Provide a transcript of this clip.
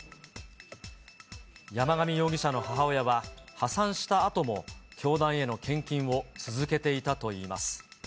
山上容疑者の母親は、破産したあとも教団への献金を続けていたといいます。